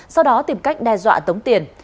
sau đó tìm cách đe dọa tống tiền